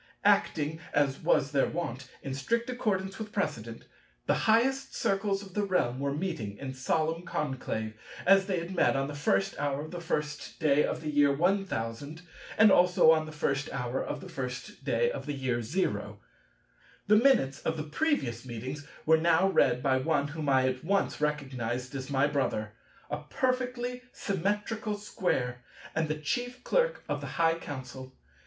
Acting, as was their wont, in strict accordance with precedent, the highest Circles of the realm were meeting in solemn conclave, as they had met on the first hour of the first day of the year 1000, and also on the first hour of the first day of the year 0. The minutes of the previous meetings were now read by one whom I at once recognized as my brother, a perfectly Symmetrical Square, and the Chief Clerk of the High Council.